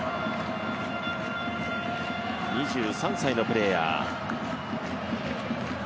２３歳のプレーヤー。